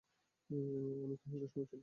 আমি খানিকটা সংকুচিত হয়েই রইলাম!